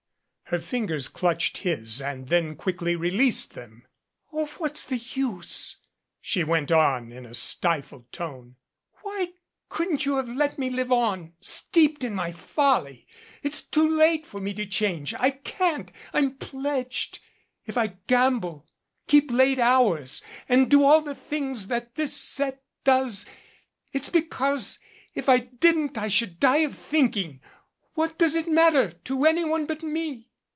Her fingers clutched his and then quickly released them. 74 OLGA TCHERNY "Oh, what's the use?" she went on in a stifled tone. "Why couldn't you have let me live on, steeped in my folly? It's too late for me to change. I can't. I'm pledged. If I gamble, keep late hours, and do all the things that this set does it's because if I didn't I should die of thinking. What does it matter to any one but me